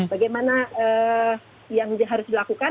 bagaimana yang harus dilakukan